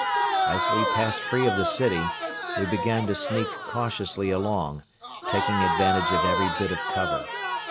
As we passed free of the city we began to sneak cautiously along, taking advantage of every bit of cover.